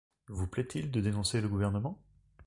Vous plaît-il de dénoncer le gouvernement?